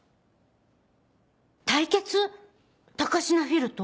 対決⁉高階フィルと？